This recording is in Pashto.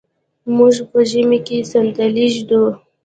موږ په ژمي کې صندلی ږدو.